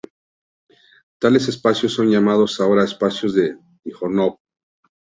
Tales espacios son llamados ahora espacios de Tíjonov.